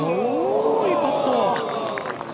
いいパット。